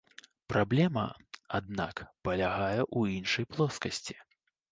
Праблема, аднак, палягае ў іншай плоскасці.